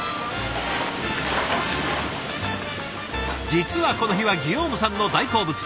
実はこの日はギヨームさんの大好物。